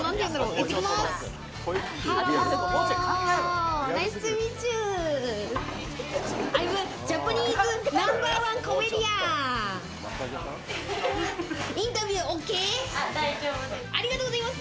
行ってきます。